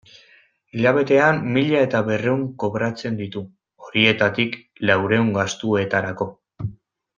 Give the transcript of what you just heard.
Hilabetean mila eta berrehun kobratzen ditu, horietatik laurehun gastuetarako.